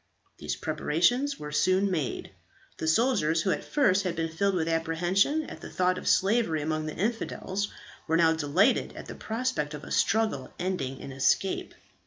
These preparations were soon made. The soldiers, who at first had been filled with apprehension at the thought of slavery among the infidels, were now delighted at the prospect of a struggle ending in escape.